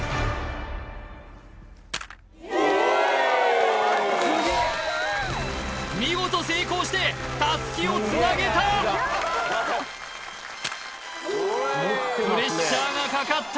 ウエーイ見事成功してタスキをつなげたプレッシャーがかかった